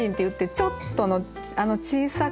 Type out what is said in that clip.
「ちょっと」